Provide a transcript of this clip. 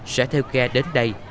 sẽ theo ghe đến đây